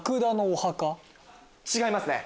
違いますね。